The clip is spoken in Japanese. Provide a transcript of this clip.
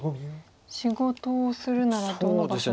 仕事をするならどの場所で。